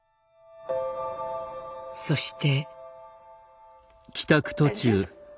そして。